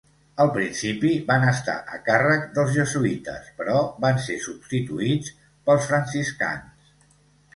Al principi, van estar a càrrec dels jesuïtes, però van ser substituïts pels franciscans.